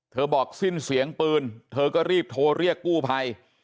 บอกสิ้นเสียงปืนเธอก็รีบโทรเรียกกู้ภัย